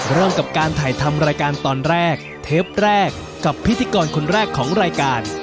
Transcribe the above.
เริ่มกับการถ่ายทำรายการตอนแรกเทปแรกกับพิธีกรคนแรกของรายการ